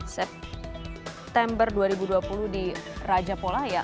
september dua ribu dua puluh di raja polaya